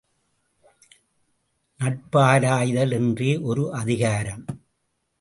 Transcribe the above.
நட்பாராய்தல் என்றே ஒரு அதிகாரம்!